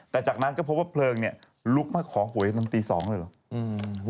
แต่จากนั้นก็พบว่าเพลิงเนี่ยลุกมาขอหวยตอนตี๒เลยเหรอ